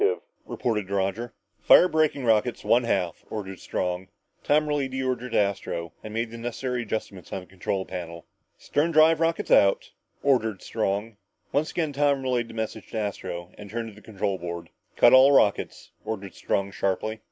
"Three thousand yards to objective," reported Roger. "Fire braking rockets one half," ordered Strong. Tom relayed the order to Astro and made the necessary adjustments on the control panel. "Stern drive rockets out," ordered Strong. Once again Tom relayed the message to Astro and turned to the control board. "Cut all rockets!" ordered Strong sharply.